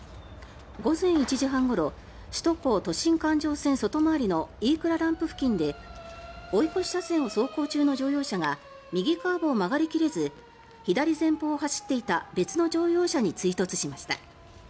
午前１時半ごろ首都高環状線外回りの飯倉ランプ付近で追い越し車線を走行中の乗用車が右カーブを曲がり切れず左前方を走っていた別の乗用車に追突しました。